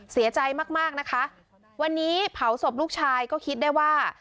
เสียใจมากมากนะคะวันนี้เผาศพลูกชายก็คิดได้ว่า